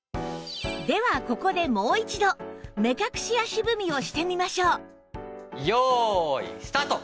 ではここでもう一度目隠し足踏みをしてみましょう用意スタート！